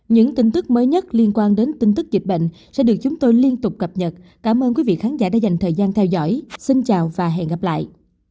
những tin tức mới nhất liên quan đến tin tức dịch bệnh sẽ được chúng tôi liên tục cập nhật cảm ơn quý vị khán giả đã dành thời gian theo dõi xin chào và hẹn gặp lại